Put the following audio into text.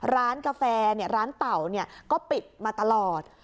ร้านกาแฟร้านเต่าก็ปิดมาตลอด